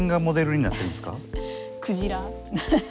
クジラ。